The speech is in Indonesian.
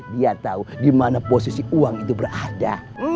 dia tahu di mana posisi uang itu berada